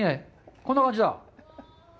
こんな感じ。